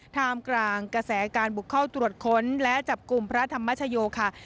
ท่ามกลางกระแสการบุกเข้าตรวจค้นและจับกลุ่มพระธรรมชโยค่ะ